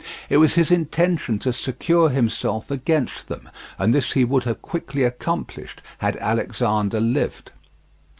It was his intention to secure himself against them, and this he would have quickly accomplished had Alexander lived.